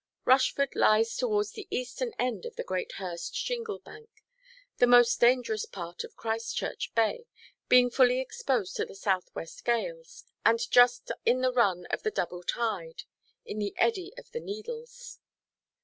Rushford lies towards the eastern end of the great Hurst shingle bank, the most dangerous part of Christchurch Bay, being fully exposed to the south–west gales, and just in the run of the double tide; in the eddy of the Needles.